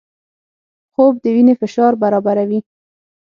خوب د وینې فشار برابروي